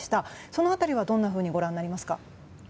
その辺りはどんなふうにご覧になりますか。